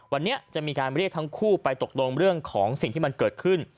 วันนี้จะมีการเรียกทั้งคู่ไปตกลงเรื่องของสิ่งที่มันเกิดขึ้น